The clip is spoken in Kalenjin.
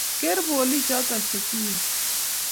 Ker poliik choto che tuwen